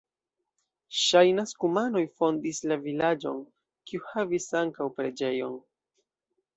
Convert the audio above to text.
Ŝajnas, kumanoj fondis la vilaĝon, kiu havis ankaŭ preĝejon.